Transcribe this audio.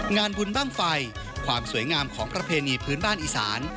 งานบุญบ้างไฟความสวยงามของประเพณีพื้นบ้านอีสาน